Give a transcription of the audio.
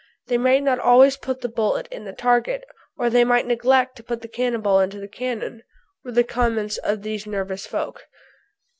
They might not always put the bullet in the target, or they might neglect to put the cannonball into the cannon," were the comments of these nervous folk.